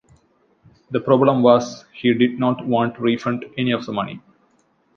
The problem was he did not want to refund any of the money.